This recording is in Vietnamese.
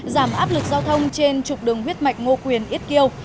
giảm áp lực giao thông trên trục đường huyết mạch ngô quyền ít kiêu